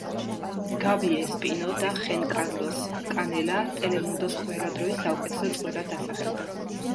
გაბი ესპინო და ხენკარლოს კანელა ტელემუნდოს ყველა დროის საუკეთესო წყვილად დასახელდა.